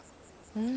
うん？